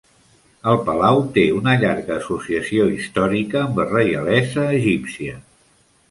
El palau té una llarga associació històrica amb la reialesa egípcia.